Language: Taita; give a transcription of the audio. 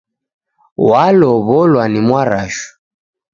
Walow' olwa ni Mwarashu